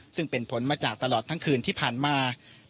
ซึ่งเป็นผลมาจากตลอดทั้งคืนที่ผ่านมา